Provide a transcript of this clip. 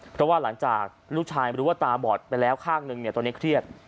เพราะว่าหลังจากลูกชายรู้ว่าตาบอดไปแล้วข้างหนึ่งตอนนี้เครียด